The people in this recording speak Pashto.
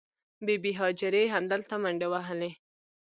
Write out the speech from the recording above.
بې بي هاجرې همدلته منډې وهلې.